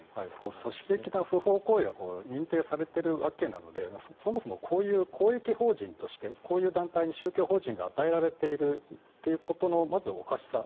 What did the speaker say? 組織的な不法行為は認定されているわけなのでそもそもこういう公益法人としてこういう団体に宗教法人が与えられているということのまず、おかしさ。